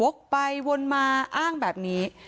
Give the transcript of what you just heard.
ไปวนมาอ้างแบบนี้